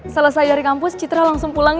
selesai dari kampus citra langsung pulang